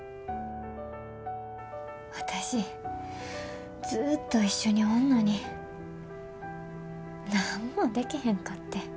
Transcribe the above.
私ずっと一緒におんのに何もでけへんかってん。